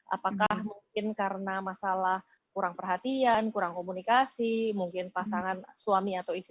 apakah mungkin karena masalah kurang perhatian kurang komunikasi mungkin pasangan suami atau istri